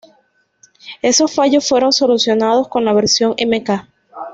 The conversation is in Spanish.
Esos fallos fueron solucionados con la versión Mk.